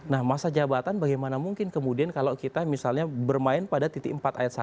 nah masa jabatan bagaimana mungkin kemudian kalau kita misalnya bermain pada titik empat ayat satu